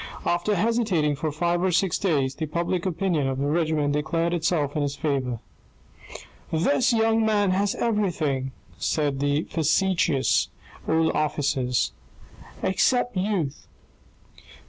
After hesitating for five or six days, the public opinion of the regiment declared itself in his favour. A STORM 461 "This young man has everything," said the facetious old officers, " except youth."